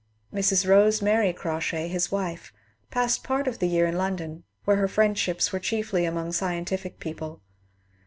Mrs. Rose Mary Crawshay, his wife, passed part of the year in London, where her friendships were chiefly among scientific people.